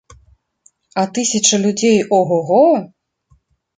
А тысячы людзей о-го-го!